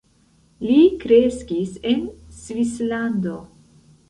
Li kreskis en Svislando.